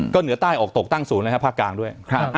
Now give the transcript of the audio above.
ก็เหนือใต้ออกตกตั้งศูนย์นะครับภาคกลางด้วย